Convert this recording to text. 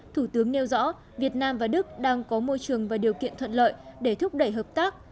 thủ tướng nêu rõ việt nam và đức đang có môi trường và điều kiện thuận lợi để thúc đẩy hợp tác